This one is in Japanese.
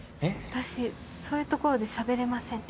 私そういうところでしゃべれません